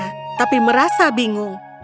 dia memikirkannya tapi merasa bingung